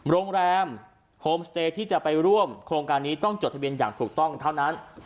โรงแรมโฮมสเตย์ที่จะไปร่วมโครงการนี้ต้องจดทะเบียนอย่างถูกต้องเท่านั้น